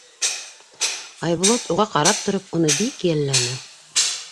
Айбулат, уға ҡарап тороп, уны бик йәлләне.